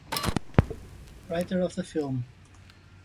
Writer of the film.